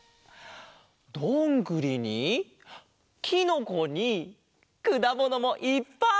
どんぐりにキノコにくだものもいっぱい！